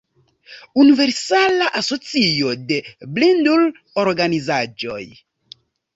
Universala Asocio de Blindul-Organizaĵoj.